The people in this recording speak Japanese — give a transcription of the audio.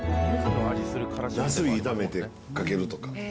ナス炒めて、かけるとか。